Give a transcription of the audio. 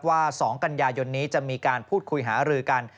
ว่า๒กันยายนนี้จะมีการพูดคุยหารือกัน